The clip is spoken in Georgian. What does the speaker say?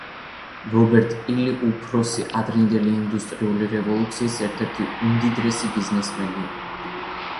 რობერტ პილი უფროსი, ადრინდელი ინდუსტრიული რევოლუციის ერთ-ერთი უმდიდრესი ბიზნესმენი იყო.